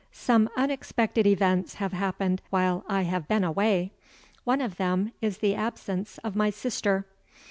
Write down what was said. Some unexpected events have happened while I have been away. One of them is the absence of my sister.